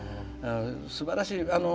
すばらしい。